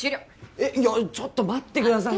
えいやちょっと待ってください。